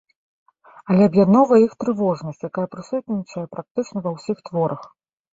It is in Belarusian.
Але аб'ядноўвае іх трывожнасць, якая прысутнічае практычна ва ўсіх творах.